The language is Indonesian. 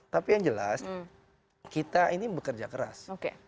tapi yang jelas kita ini bekerja keras